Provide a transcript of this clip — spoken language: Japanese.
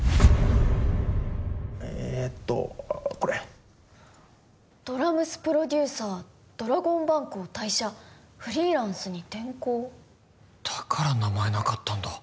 えっとこれ「ドラ娘プロデューサードラゴンバンクを退社」「フリーランスに転向」だから名前なかったんだ